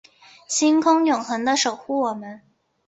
星空永恒的守护我们